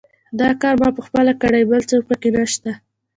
دا کار ما پخپله کړی، بل څوک پکې نشته.